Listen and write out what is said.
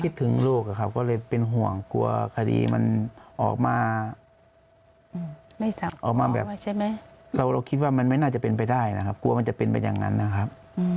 คิดถึงลูกก็เลยเป็นห่วงกลัวคดีมันออกมาออกมาแบบเราคิดว่ามันไม่น่าจะเป็นไปได้นะครับกลัวมันจะเป็นไปอย่างนั้นนะครับ